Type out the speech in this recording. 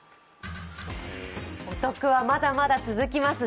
お得はまだまだ続きます。